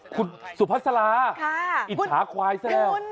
คุณสุภาษาลาอิจฉาควายแสดง